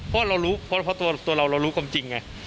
เพราะว่าอุ่นนามรู้ความจริงไง